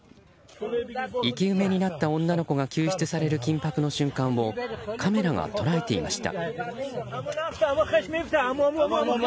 生き埋めになった女の子が救出される緊迫の瞬間をカメラが捉えていました。